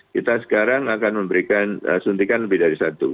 kita sekarang akan memberikan suntikan lebih dari satu